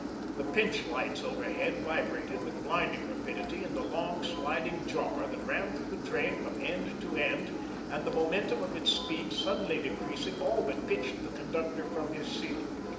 The Pintsch lights overhead vibrated with blinding rapidity in the long, sliding jar that ran through the train from end to end, and the momentum of its speed suddenly decreasing, all but pitched the conductor from his seat.